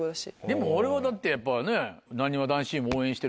でも俺はだってやっぱね。